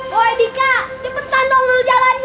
woy dika cepetan dong dulu jalannya